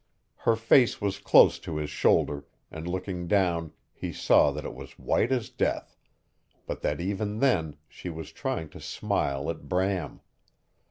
Her face was close to his shoulder, and looking down he saw that it was white as death, but that even then she was trying to smile at Bram.